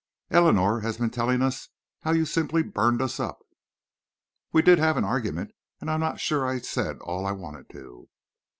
"Eleanor has been telling us how you simply burned us up." "We did have an argument. And I'm not sure I said all I wanted to."